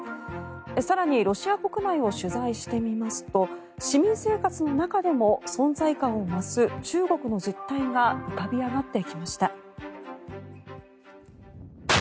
更にロシア国内を取材してみますと市民生活の中でも存在感を増す中国の実態が浮かび上がってきました。